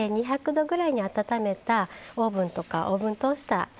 ２００℃ぐらいに温めたオーブンとかオーブントースター